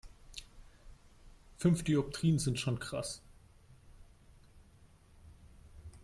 Fünf Dioptrien sind schon krass.